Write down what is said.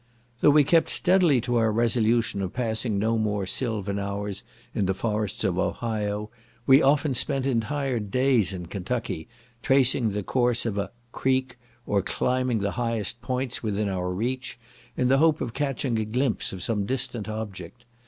Though we kept steadily to our resolution of passing no more sylvan hours in the forests of Ohio, we often spent entire days in Kentucky, tracing the course of a "creek," or climbing the highest points within our reach, in the hope of catching a glimpse of some distant object.